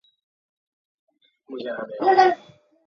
只花了两天就搞定了升级